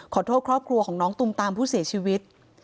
ขอโทษครอบครัวของน้องตุมตามผู้เสียชีวิต